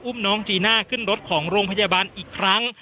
อุ้มน้องจีน่าขึ้นรถของโรงพยาบาลอีกครั้ง